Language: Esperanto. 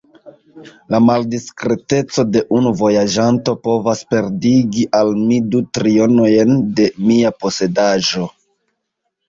La maldiskreteco de unu vojaĝanto povas perdigi al mi du trionojn de mia posedaĵo.